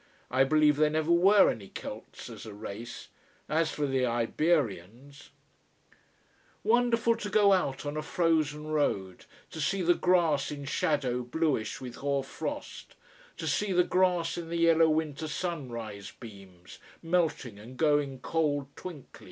I believe there never were any Celts, as a race. As for the Iberians ! [Illustration: TONARA] Wonderful to go out on a frozen road, to see the grass in shadow bluish with hoar frost, to see the grass in the yellow winter sunrise beams melting and going cold twinkly.